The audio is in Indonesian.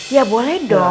ya boleh dong